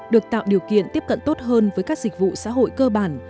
được tạo điều kiện tiếp cận tốt hơn với các dịch vụ xã hội cơ bản